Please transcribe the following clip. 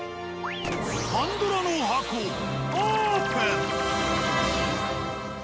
パンドラの箱オープン！